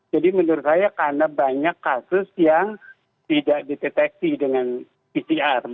jadi menurut saya karena banyak kasus yang tidak di deteksi dengan pcr